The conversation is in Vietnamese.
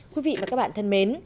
quý vị và các bạn thân mến